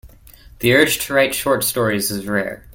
The urge to write short stories is rare.